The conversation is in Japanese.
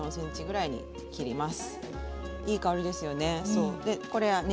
いい香りですね。